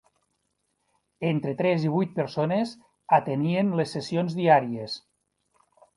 Entre tres i vuit persones atenien les sessions diàries.